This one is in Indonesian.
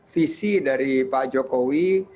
visi dari pak jokowi